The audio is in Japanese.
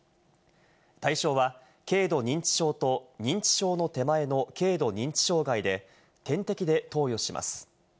対象は軽度認知症と認知症の手前の軽度認知障害で、点滴で投与します。